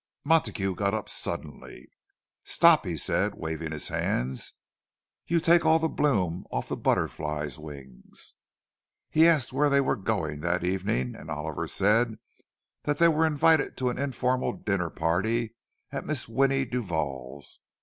Montague got up suddenly. "Stop," he said, waving his hands. "You take all the bloom off the butterfly's wings!" He asked where they were going that evening, and Oliver said that they were invited to an informal dinner party at Mrs. Winnie Duval's.